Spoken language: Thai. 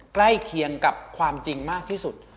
ใกล้เคียงกับความจริงมากที่สุด